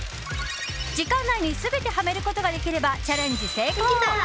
時間内に全てはめることができればチャレンジ成功！